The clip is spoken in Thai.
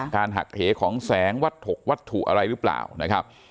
หักเหของแสงวัตถุอะไรหรือเปล่านะครับ